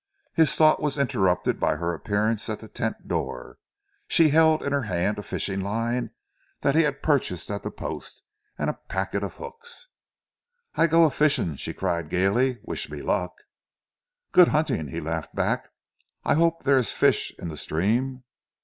His thought was interrupted by her appearance at the tent door. She held in her hand a fishing line that he had purchased at the Post and a packet of hooks. "I go a fishing," she cried gaily. "Wish me luck?" "Good hunting!" he laughed back. "I hope there is fish in the stream."